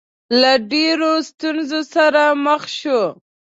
له ډېرو ستونزو سره مخ شو.